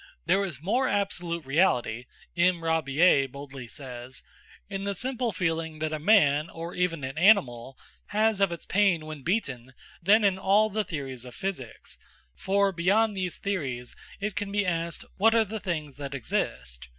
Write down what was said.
"There is more absolute reality," M. Rabier boldly says, "in the simple feeling that a man, or even an animal, has of its pain when beaten than in all the theories of physics, for, beyond these theories, it can be asked, what are the things that exist.